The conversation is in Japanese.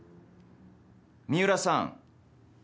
三浦さん。